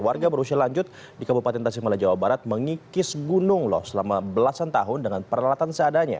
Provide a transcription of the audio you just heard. warga berusia lanjut di kabupaten tasikmala jawa barat mengikis gunung loh selama belasan tahun dengan peralatan seadanya